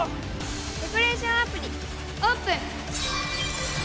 デコレーションアプリオープン！